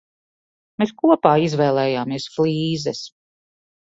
Mēs kopā izvēlējāmies flīzes.